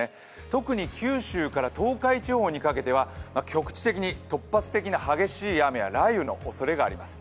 特に九州から東海地方にかけては局地的に、突発的な激しい雨や雷雨のおそれがあります。